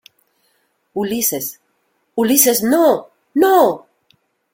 Ulises. ¡ Ulises, no! ¡ no !